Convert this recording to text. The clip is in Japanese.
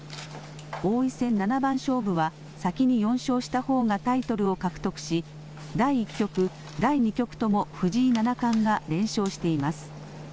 王位戦七番勝負は先に４勝したほうがタイトルを獲得し第１局、第２局とも藤井七冠が連勝しています。